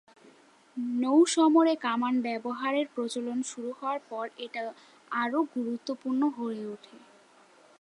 নৌ-সমরে কামান ব্যবহারের প্রচলন শুরু হওয়ার পর এটা আরও গুরুত্বপূর্ণ হয়ে ওঠে।